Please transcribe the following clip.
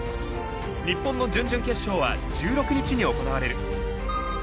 日本の準々決勝は１６日に行われる。